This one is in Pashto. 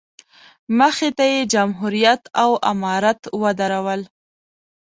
مخې ته یې جمهوریت او امارت ودرول.